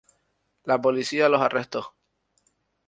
La Policía los arrestó.